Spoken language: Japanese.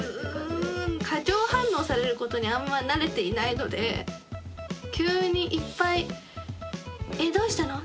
過剰反応されることにあんま慣れていないので急にいっぱい「えどうしたの？